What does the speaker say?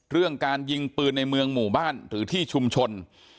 เรื่องการยิงปืนในเมืองหมู่บ้านหรือที่ชุมชน